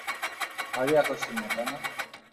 ভারি আকর্ষণীয়, তাই না?